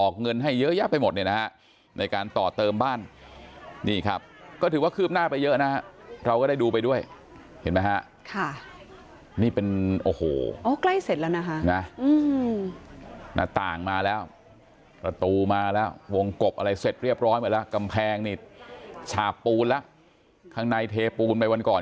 เสร็จเรียบร้อยไหมละกำแพงนี่ฉาบปูนละข้างในเทปูนไปวันก่อน